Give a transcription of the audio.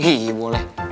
beb kayaknya ini bagus deh